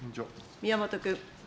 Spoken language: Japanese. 宮本君。